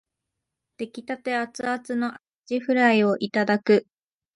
出来立てアツアツのあじフライをいただく